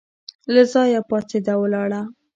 له ځایه پاڅېده او ولاړه.